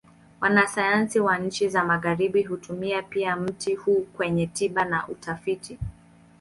Wanasayansi wa nchi za Magharibi hutumia pia mti huu kwenye tiba na utafiti.